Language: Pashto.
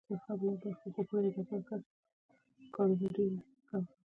ټانکۍ ډکوي.